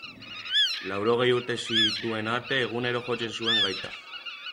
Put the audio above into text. Laurogei urte zituen arte egunero jotzen zuen gaita.